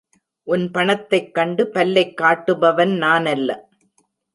உன் பணத்தைக் கண்டு பல்லைக் காட்டுபவன் நானல்ல.